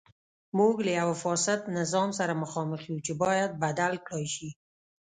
موږ له یوه فاسد نظام سره مخامخ یو چې باید بدل کړای شي.